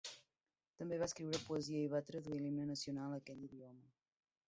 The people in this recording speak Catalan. També va escriure poesia i va traduir l'himne nacional a aquell idioma.